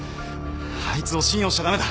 あいつを信用しちゃ駄目だ。